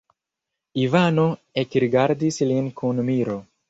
Ivano ekrigardis lin kun miro.